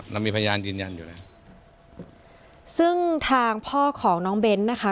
เรามีพยานยืนยันอยู่แล้วซึ่งทางพ่อของน้องเบ้นนะคะ